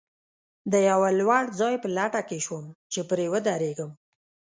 د یوه لوړ ځای په لټه کې شوم، چې پرې ودرېږم.